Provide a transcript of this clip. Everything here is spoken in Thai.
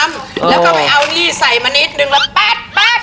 แล้วก็ไปเอาหนี้ใส่มานิดนึงละแป๊บ